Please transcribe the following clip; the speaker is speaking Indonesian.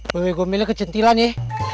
bw gombelnya kecantilan ya